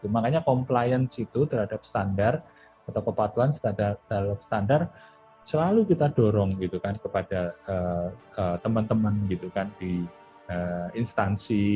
makanya compliance itu terhadap standar atau kepatuhan standar selalu kita dorong gitu kan kepada teman teman gitu kan di instansi